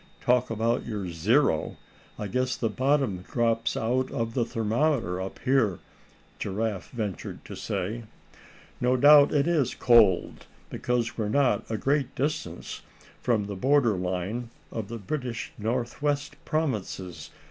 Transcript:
Talk about your zero, I guess the bottom drops out of the thermometer up here," Giraffe ventured to say. "No doubt it is cold, because we're not a great distance from the border line of the British Northwest provinces.